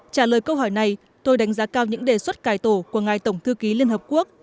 trả lời câu hỏi này tôi đánh giá cao những đề xuất cải tổ của ngài tổng thư ký liên hợp quốc